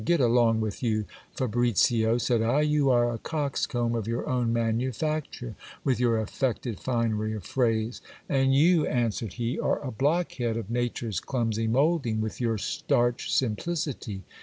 Get along with you, Fabricio, said I, you are a coxcomb of your own manufacture, with your affected finery of phrase. And you, answered he, are a blockhead of nature's clumsy moulding, with your starch simplicity.